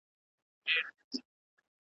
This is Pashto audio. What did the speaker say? چي پر سر باندي یې وکتل ښکرونه ,